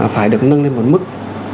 phải được nâng lên một mức